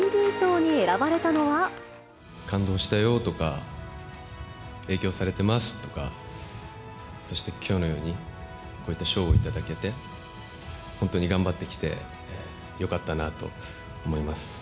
感動したよとか、影響されてますとか、そして、きょうのように、こういった賞を頂けて、本当に頑張ってきてよかったなと思います。